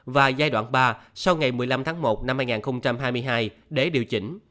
và giai đoạn ba sau ngày một mươi năm tháng một năm hai nghìn hai mươi hai để điều chỉnh